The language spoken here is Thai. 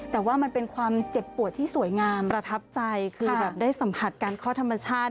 แต่ว่ามันเป็นความเจ็บปวดที่สวยงามประทับใจคือแบบได้สัมผัสการคลอดธรรมชาติ